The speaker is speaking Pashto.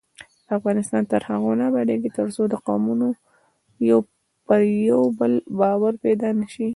افغانستان تر هغو نه ابادیږي، ترڅو د قومونو پر یو بل باور پیدا نشي.